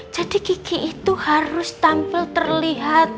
jadi kiki itu harus tampil terlihat